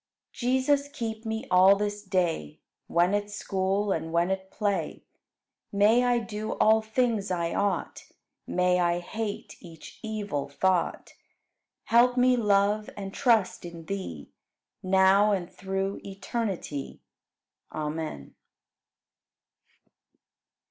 12. Jesus, keep me all this day. When at school and when at play; May I do all things I ought, May I hate each evil thought; Help me love and trust in Thee Now and through eternity. Amen.